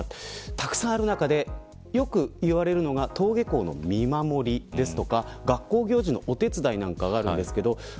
たくさんある中でよく言われるのが登下校の見守りですとか学校行事のお手伝いなんかがあります。